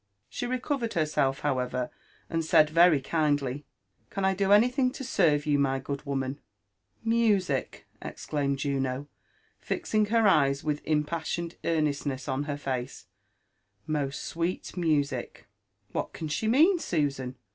She recovered herself, however, and said very kindly, " Can I do anything to serve you, my good woman ?"Music !'* exclaittied Juno, fixing her eyes with impassioned ear nestness on her face,— most sweet music !" ^What can she mean, Susan